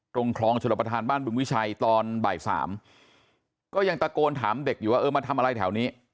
ตรงคลองชลประธานบ้านบึงวิชัยตอนบ่ายสามก็ยังตะโกนถามเด็กอยู่ว่าเออมาทำอะไรแถวนี้